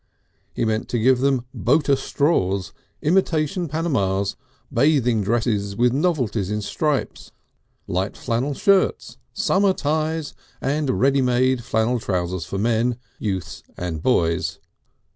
He meant to give them boater straws, imitation Panamas, bathing dresses with novelties in stripes, light flannel shirts, summer ties, and ready made flannel trousers for men, youths and boys.